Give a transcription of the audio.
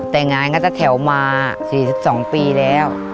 แต่งงานก็ตะแถวมา๔๒ปีแล้ว